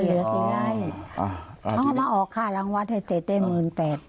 เข้ามาออกค่ะหลังวัดให้เศรษฐ์เมือนแปด